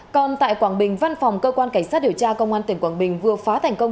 còn tại quảng bình văn phòng cơ quan cảnh sát điều tra công an tỉnh quảng bình vừa phá thành công